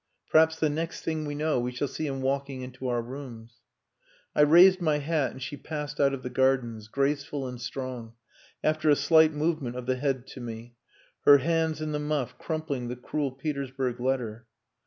Perhaps the next thing we know, we shall see him walking into our rooms." I raised my hat and she passed out of the gardens, graceful and strong, after a slight movement of the head to me, her hands in the muff, crumpling the cruel Petersburg letter.